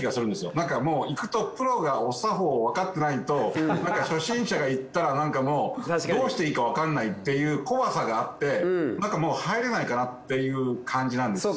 なんかもう行くとプロがお作法わかってないと初心者が行ったらなんかもうどうしていいかわからないっていう怖さがあってなんかもう入れないかなっていう感じなんですけど。